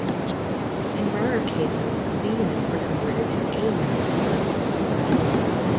In rarer cases, B units were converted to A units.